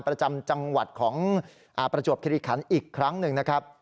ประจำจังหวัดของประจวบคิริคันอีกครั้งหนึ่งนะครับ